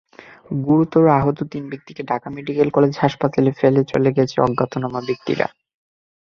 গুরুতর আহত তিন ব্যক্তিকে ঢাকা মেডিকেল কলেজ হাসপাতালে ফেলে চলে গেছে অজ্ঞাতনামা ব্যক্তিরা।